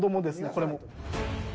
これも。